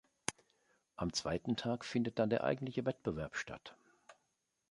Am zweiten Tag findet dann der eigentliche Wettbewerb statt.